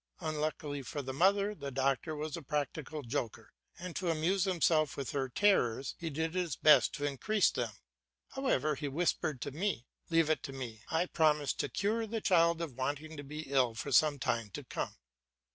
Unluckily for the mother, the doctor was a practical joker, and to amuse himself with her terrors he did his best to increase them. However, he whispered to me, "Leave it to me, I promise to cure the child of wanting to be ill for some time to come."